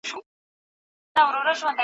پولیس به د غله پته پیدا کړي.